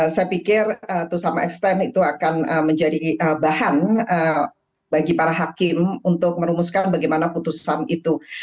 saya pikir to some extent itu akan menjadi bahan bagi para hakim untuk merumuskan bagaimana putusan itu